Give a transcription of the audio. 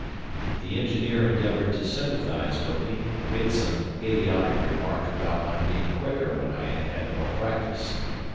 The engineer endeavoured to sympathize with me, and made some idiotic remark about my being quicker when I had had more practice.